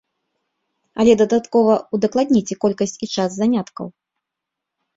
Але дадаткова ўдакладніце колькасць і час заняткаў.